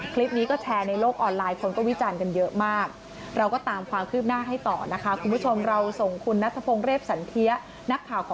คลิปนี้ก็แชร์ในโลกออนไลน์คนก็วิจารณ์กันเยอะมาก